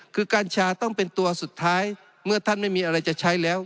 คือกัญชาต้องเป็นตัวสุดท้ายเมื่อท่านไม่มีอะไรจะใช้แล้ว